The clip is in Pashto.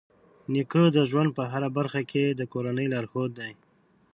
نیکه د ژوند په هره برخه کې د کورنۍ لارښود دی.